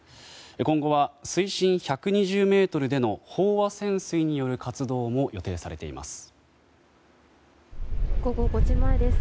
今後は水深１２０ｍでの飽和潜水による活動も予定されています。